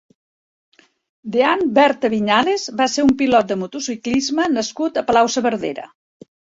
Dean Berta Viñales va ser un pilot de motociclisme nascut a Palau-saverdera.